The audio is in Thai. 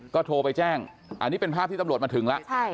ก็โทรไปแจ้งอันนี้เป็นภาพที่ตำรวจมาถึงแล้ว